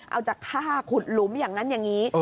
เอาจากฆ่าขุดหลุมอย่างนั้นอย่างนี้